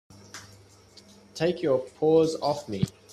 Take your paws off me!